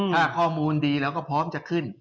ถ้าข้อมูลดีเราก็พร้อมจะขึ้น